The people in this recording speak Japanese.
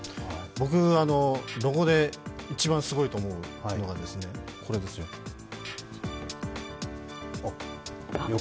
僕、ロゴで一番すごいと思うのがこれですよ。